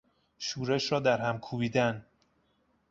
شورش را در هم کوبیدن